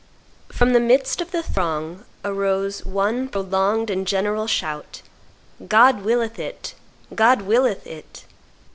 From the midst of the throng arose one prolonged and general shout, "God willeth it! God willeth it!"